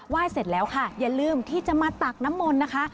เสร็จแล้วค่ะอย่าลืมที่จะมาตักน้ำมนต์นะคะ